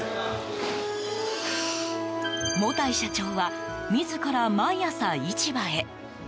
茂田井社長は自ら毎朝市場へ。